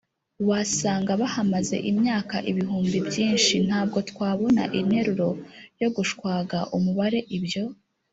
wasanga bahamaze imyaka ibihumbi byinshi.” ntabwo twabona interuro yo gushwaga umubare’ibyo